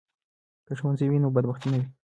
که ښوونځی وي نو بدبختي نه وي.